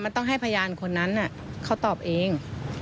มันต้องให้พยานคนนั้นเขาตอบเอง